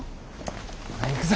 ほら行くぞ。